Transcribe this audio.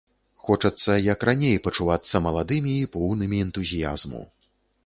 Хочацца, як раней, пачувацца маладымі і поўнымі энтузіязму.